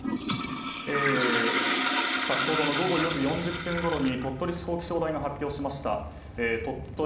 先ほどの午後４時４０分ごろに鳥取地方気象台が発表しました。